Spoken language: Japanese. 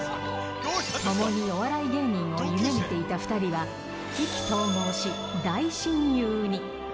共にお笑い芸人を夢みていた２人は、意気投合し大親友に。